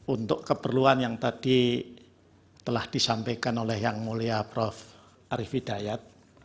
untuk keperluan yang tadi telah disampaikan oleh yang mulia prof arief hidayat